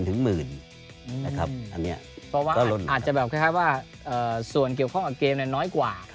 เพราะว่าอาจจะแบบคล้ายว่าส่วนเกี่ยวข้องกับเกมน้อยกว่า